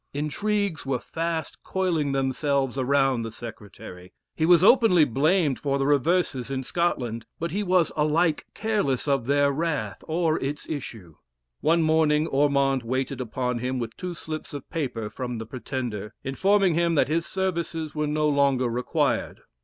Intrigues were fast coiling themselves around the secretary; he was openly blamed for the reverses in Scotland but he was alike careless of their wrath or its issue. One morning Ormond waited upon him with two slips of paper from the Pretender, informing him that his services were no longer required.